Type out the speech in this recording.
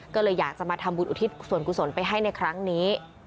ก็เลยอยากจะมาทำบุญอุทิศส่วนกุศลไปให้ในครั้งนี้